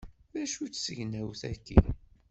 D acu-tt tegnawt-agi!